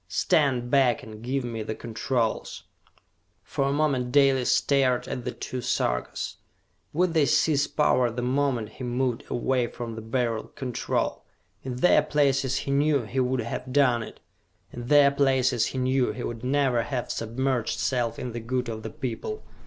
Stand back and give me the controls!" For a moment Dalis stared at the two Sarkas. Would they seize power the moment he moved away from the Beryl Control? In their places he knew he would have done it. In their places he knew he would never have submerged self in the good of the people.